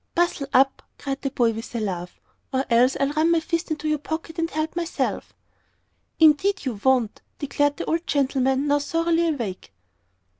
"Bustle up," cried the boy, with a laugh, "or else I'll run my fist in your pocket and help myself." "Indeed, you won't," declared the old gentleman, now thoroughly awake.